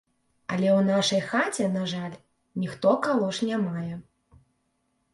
Але ў нашай хаце, на жаль, ніхто калош не мае.